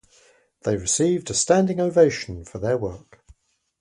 They received a standing ovation for their work.